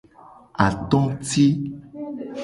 Atoti.